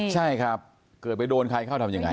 ใช่ครับเกิดไปโดนใครเข้าทำยังไง